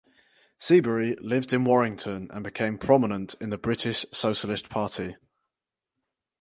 Seabury lived in Warrington and became prominent in the British Socialist Party.